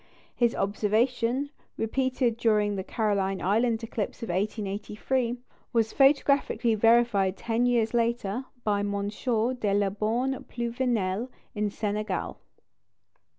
His observation, repeated during the Caroline Island eclipse of 1883, was photographically verified ten years later by M. de la Baume Pluvinel in Senegal.